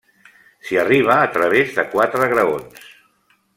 S'hi arriba a través de quatre graons.